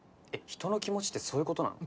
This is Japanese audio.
人の気持ちってそういうことなの？